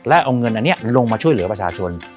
และเอาเงินอันนี้ลงมาช่วยเหลือประชาชน